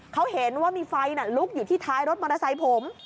เขาเห็นว่ามีไฟลุกอยู่ที่ท้ายรถมอเตอร์ไซค์ผม